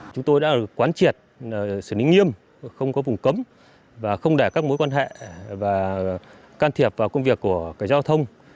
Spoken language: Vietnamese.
chúng tôi đã quán triệt xử lý nghiêm không có vùng cấm và không để các mối quan hệ và can thiệp vào công việc của cảnh giao thông